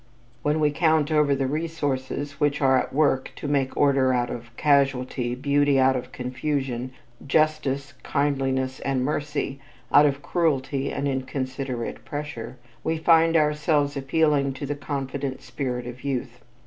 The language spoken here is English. When we count over the resources which are at work "to make order out of casualty, beauty out of confusion, justice, kindliness and mercy out of cruelty and inconsiderate pressure," we find ourselves appealing to the confident spirit of youth.